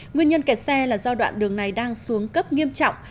nguyên nhân kẹt xe là do đoạn đường này đang xuống cấp nghiêm trọng